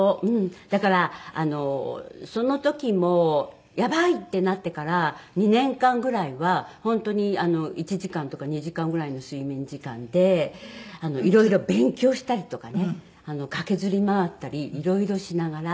だからあのその時もやばい！ってなってから２年間ぐらいは本当に１時間とか２時間ぐらいの睡眠時間でいろいろ勉強したりとかね駆けずり回ったりいろいろしながら。